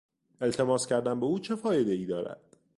التماس کردن به او چه فایدهای دارد؟